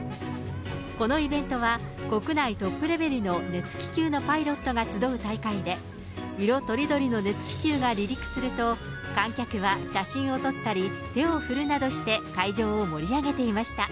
このイベントは、国内トップレベルの熱気球のパイロットが集う大会で、色とりどりの熱気球が離陸すると、観客は写真を撮ったり、手を振るなどして、会場を盛り上げていました。